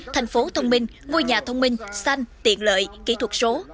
thành phố thông minh ngôi nhà thông minh xanh tiện lợi kỹ thuật số